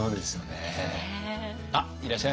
あっいらっしゃいました。